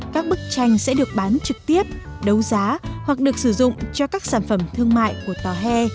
các bức tranh sẽ được bán trực tiếp đấu giá hoặc được sử dụng cho các sản phẩm thương mại của tòa hè